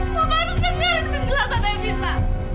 mama harus kejarin penjelasan evita